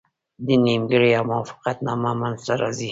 نیمګړې موافقتنامه منځته راځي.